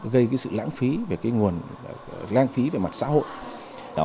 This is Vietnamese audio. gây sự lãng phí về mặt xã hội